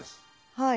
はい。